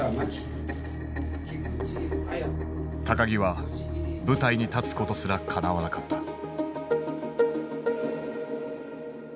木は舞台に立つことすらかなわなかった。